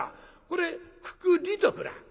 これくくりとくらあ。